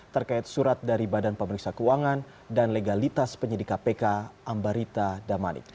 terkait surat dari badan pemeriksa keuangan dan legalitas penyidik kpk ambarita damanik